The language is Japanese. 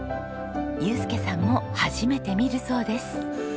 祐介さんも初めて見るそうです。